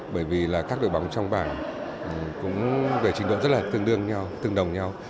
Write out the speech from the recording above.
bởi vì là các đội bóng trong bảng cũng về trình độ rất là tương đương nhau tương đồng nhau